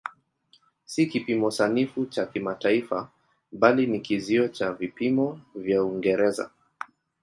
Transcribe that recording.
Si kipimo sanifu cha kimataifa bali ni kizio cha vipimo vya Uingereza.